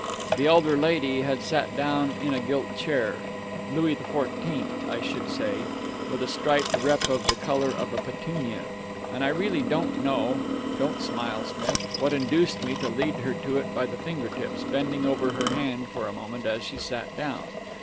The elder lady had sat down in a gilt chair, Louis Fourteenth I should say, with a striped rep of the colour of a petunia; and I really don't know don't smile, Smith what induced me to lead her to it by the finger tips, bending over her hand for a moment as she sat down.